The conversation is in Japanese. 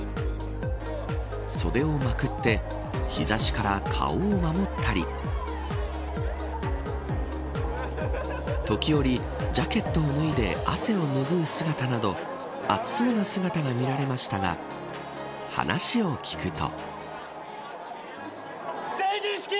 袖をまくって日差しから顔を守ったり時折、ジャケットを脱いで汗をぬぐう姿など暑そうな姿が見られましたが話を聞くと。